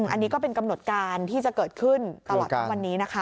อันนี้ก็เป็นกำหนดการที่จะเกิดขึ้นตลอดทั้งวันนี้นะคะ